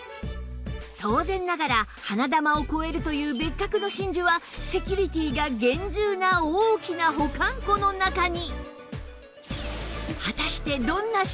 当然ながら花珠を超えるという別格の真珠はセキュリティーが厳重な大きな保管庫の中に